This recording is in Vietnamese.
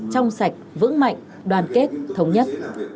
trong sạch vững mạnh đoàn kết thống nhất